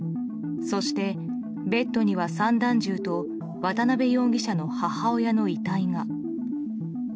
そして、ベッドには散弾銃と渡辺容疑者の母親の遺体が。